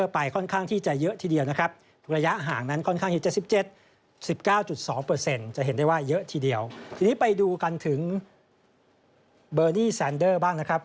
ทีนี้ไปดูกันถึงเบอร์นี่แซนเดอร์บ้างนะครับ